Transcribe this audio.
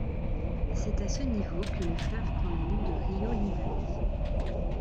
C'est à ce niveau que le fleuve prend le nom de río Limarí.